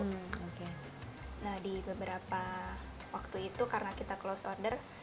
nah di beberapa waktu itu karena kita close order